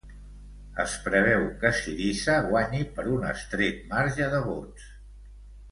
Es preveu que Syriza guanyi per un estret marge de vots.